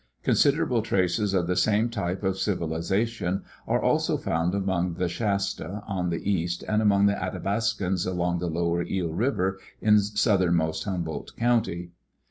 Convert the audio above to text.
Considerable traces of the same type of civilization are also found among the Shasta on the east and among the Athabascans along lower Eel river in south ernmost Humboldt county.